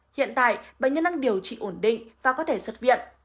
hiện tại bệnh nhân đang điều trị ổn định và có thể xuất viện